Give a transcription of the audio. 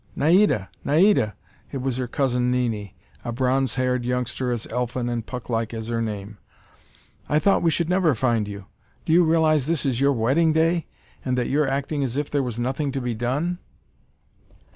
"Naida, Naida!" It was her cousin, Nini, a bronze haired youngster as elfin and Pucklike as her name. "I thought we should never find you! Do you realize this is your wedding day, and that you're acting as if there was nothing to be done?"